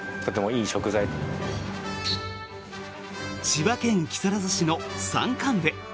千葉県木更津市の山間部。